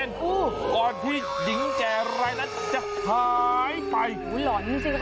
โอววหรือจิไมคะ